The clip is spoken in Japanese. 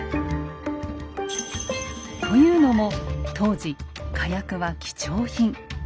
というのも当時火薬は貴重品。